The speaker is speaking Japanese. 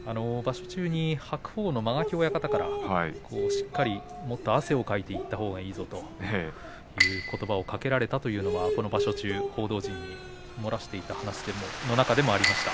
白鵬の間垣親方からもっと汗をかいたほうがいいぞということばをかけられたというのはこの場所中の報道陣にも話していました。